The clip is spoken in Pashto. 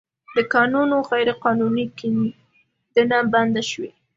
د کانونو غیرقانوني کیندنه بنده شوې